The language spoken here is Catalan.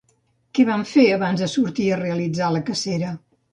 Què van fer, abans de sortir a realitzar la cacera?